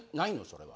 それは。